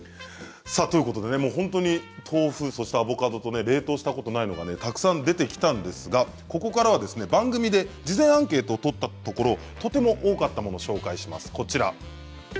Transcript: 本当に豆腐、そしてアボカドと冷凍したことがないものがたくさん出てきましたがここからは番組で事前アンケートを取ったところとても多かったものをご紹介します。